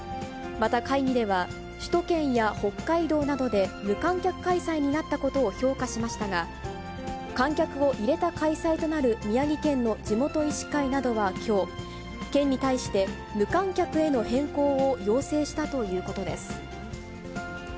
また、会議では、首都圏や北海道などで、無観客開催になったことを評価しましたが、観客を入れた開催となる宮城県の地元医師会などはきょう、県に対して、無観客への変更を要請したということです。